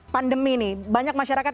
pandemi nih banyak masyarakat